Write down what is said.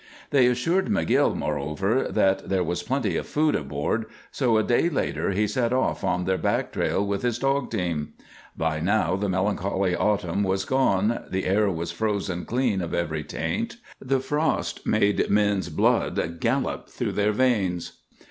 They assured McGill, moreover, that there was plenty of food aboard, so, a day later, he set off on their back trail with his dog team. By now the melancholy autumn was gone, the air was frozen clean of every taint, the frost made men's blood gallop through their veins.